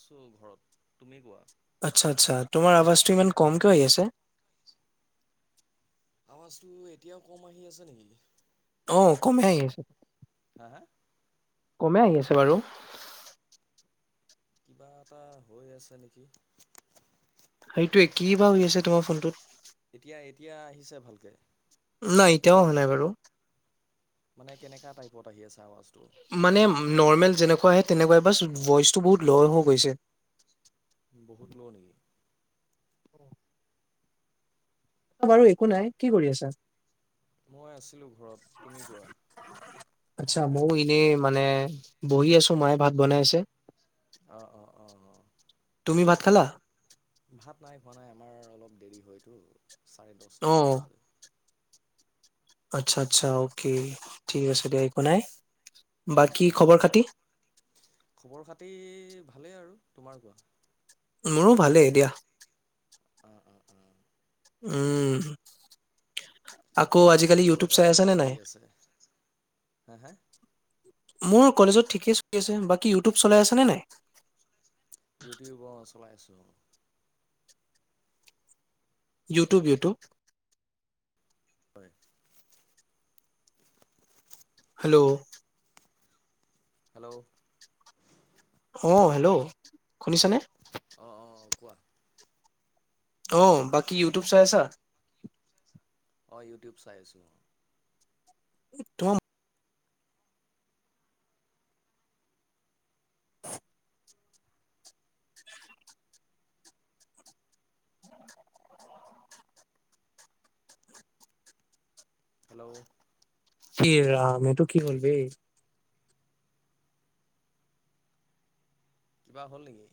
আছো ঘৰত তুমি কোৱা। আচ্ছা আচ্ছা, তোমাৰ আৱাজটো ইমান কম কিয় হৈ আছে? আৱাজটো এতিয়াও কম আহি আছে নেকি? অহ, কমে আহি আছে। হা হা? কমে আহি আছে বাৰু। কিবা এটা হৈ আছে নেকি। সেইটোৱে কি বা হৈ আছে, তোমাৰ ফোনটোত। এতিয়া এতিয়া আহিছে ভালকে নাই এতিয়াও অহা নাই বাৰু মানে কেনেকা টাইপত আহি আছে আৱাজটো। মানে নৰমেল যেনেকুৱা আহে তেনেকুৱাই বা ভয়ইচটো বহুত ল' হৈ গৈছে বহুত লওঁ নেকি? বাৰু একো নাই কি কৰি আছা। মই আছিলো ঘৰত তুমি কোৱা, আচ্ছা, মইও এনেই মানে বহি আছো মায়ে ভাত বনাই আছে। অহ অ, অ, অ তুমি ভাত খালা। ভাত নাই খোৱা নাই আমাৰ অলপ দেৰি হয়তো। চাৰে দহটামান বাজে, আচ্ছা-আচ্ছা, অকে ঠিক আছে দিয়া একো নাই। বাকী উম-উম খবৰ খাতি? খবৰ খাতি ভাল ভালেই আৰু তোমাৰ কোৱা? মোৰো ভালেই এ দিয়া। উম-উম-উম, উম', আকৌ বাকী আজিকালি ইউটিউব কলেজত চাই আছা কেনেকা নে চলি নাই? আছে? হা-হা, মোৰ কলেজত ঠিকেই চলি আছে বাকী ইউটিউব চলাই আছেনে নাই? ইউটিউবৰ চলাই আছোঁ আৰু। ইউটিউব-ইউটউব, হয়, হেল্ল', হেল্ল', অ', হেল্ল' শুনিছানে? অ', -অ', কোৱা? অ', বাকি ইউটউব চাই আঁ? অঁ, ইউটিউব চাই আছোঁ। অ', উথম ইচ। হেল্ল', এ ৰাম এইটো কি হ'ল হে। কিবা হ'ল নেকি?